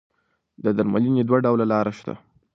د درملنې دوه ډوله لاره شته.